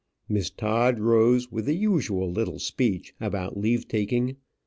Miss Todd rose with the usual little speech about leave taking.